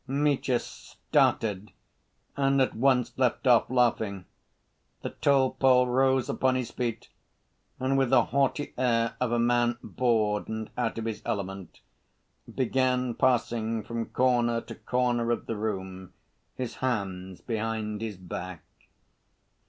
Mitya started, and at once left off laughing. The tall Pole rose upon his feet, and with the haughty air of a man, bored and out of his element, began pacing from corner to corner of the room, his hands behind his back.